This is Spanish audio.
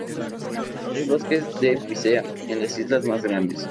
Hay bosques de picea en las islas más grandes.